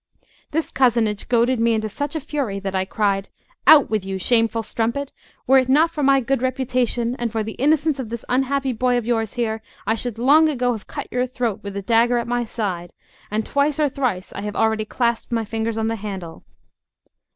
This cozenage goaded me into such a fury that I cried: "Out with you, shameful strumpet! Were it not for my good reputation, and for the innocence of this unhappy boy of yours here, I should long ago have cut your throat with the dagger at my side; and twice or thrice I have already clasped my fingers on the handle."